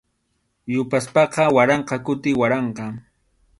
Yupaspaqa waranqa kuti waranqa.